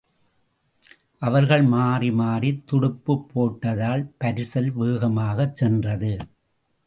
அவர்கள் மாறி மாறித் துடுப்புப் போட்டதால் பரிசல் வேகமாகச் சென்றது.